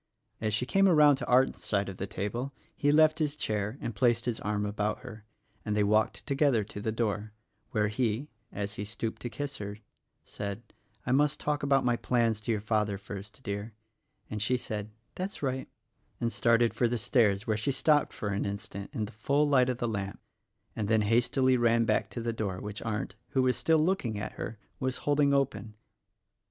As she came around to Arndt's side of the table he left his chair and placed his arm about her and they walked together to the door where he — as he stooped to kiss her — said, "I must talk about my plans to your father, first, dear," and she said, "That's right," and started for the stairs where she stopped for an instant in the full light of the lamp and then hastily ran back to the door which Arndt — who was still looking at her — was holding open.